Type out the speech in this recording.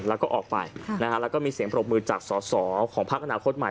แล้วก็ออกไปแล้วก็มีเสียงปรบมือจากสอสอของพักอนาคตใหม่